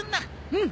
うん。